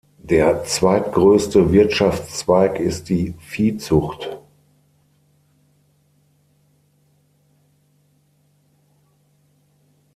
Der zweitgrößte Wirtschaftszweig ist die Viehzucht.